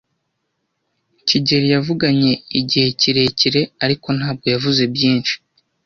kigeli yavuganye igihe kirekire, ariko ntabwo yavuze byinshi.